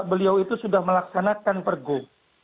beliau itu sudah melaksanakan pergub